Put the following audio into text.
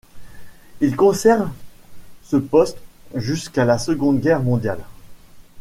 Il conserve ce poste jusqu'à la Seconde Guerre mondiale.